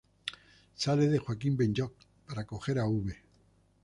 Sale de Joaquín Benlloch, para coger Av.